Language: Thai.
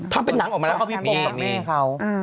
ทำเป็นหนังออกมาแล้ว